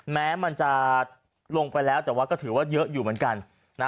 แม้มันจะลงไปแล้วแต่ว่าก็ถือว่าเยอะอยู่เหมือนกันนะ